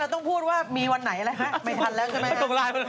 เราต้องพูดว่ามีวันไหนอะไรฮะไม่ทันแล้วก็ไม่ค่อย